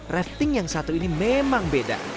rafting yang satu ini memang beda